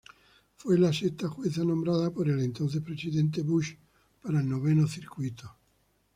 Fue la sexta jueza nombrada por el entonces Presidente Bush para el Noveno Circuito.